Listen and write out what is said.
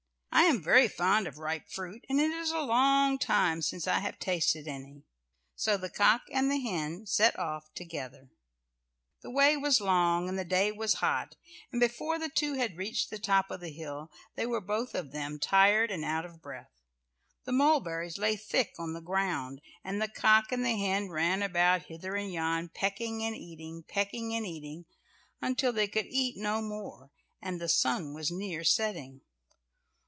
"I am very fond of ripe fruit, and it is a long time since I have tasted any." So the cock and hen set off together. The way was long, and the day was hot, and before the two had reached the top of the hill they were both of them tired and out of breath. The mulberries lay thick on the ground, and the cock and the hen ran about hither and yon, pecking and eating—pecking and eating, until they could eat no more, and the sun was near setting.